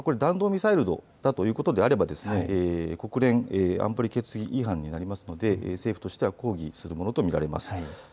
これは弾道ミサイルだということであれば、国連安保理決議違反になるので政府としては抗議するものと見られます。